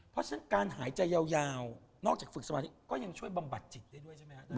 เพราะฉะนั้นการหายใจยาวนอกจากฝึกสมาธิก็ยังช่วยบำบัดจิตได้ด้วยใช่ไหมครับ